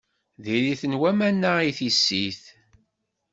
Diri-ten waman-a i tissit.